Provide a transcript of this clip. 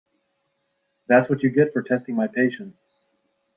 That’s what you get for testing my patience.